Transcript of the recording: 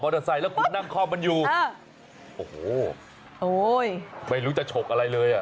มอเตอร์ไซต์แล้วคุณนั่งข้อมันอยู่โอ้โหไม่รู้จะฉกอะไรเลย